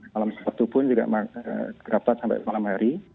malam sabtu pun juga terdapat sampai malam hari